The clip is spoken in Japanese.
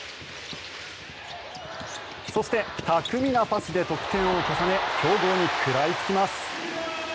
そして、巧みなパスで得点を重ね強豪に食らいつきます。